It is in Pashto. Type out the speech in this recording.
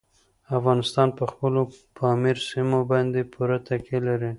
افغانستان په خپلو پامیر سیمو باندې پوره تکیه لري.